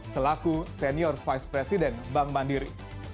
selaku senior vice president bank mandiri